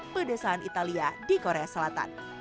pedesaan italia di korea selatan